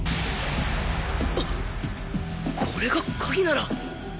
あっこれがカギなら。